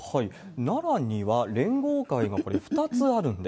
奈良には連合会が２つあるんです。